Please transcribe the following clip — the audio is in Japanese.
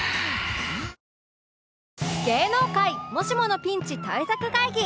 芸能界もしものピンチ対策会議